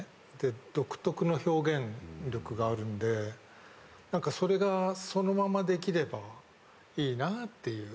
独特な表現力があるんでそれがそのままできればいいなっていう。